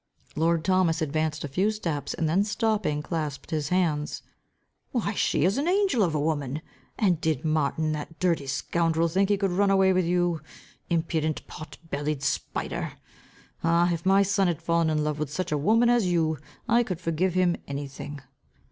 Lord Thomas advanced a few steps, and then stopping, clasped his hands; "Why she is an angel of a woman! And did Martin, that dirty scoundrel, think he could run away with you? Impudent, pot bellied spider! Ah, if my son had fallen in love with such a woman as you, I could forgive him any thing."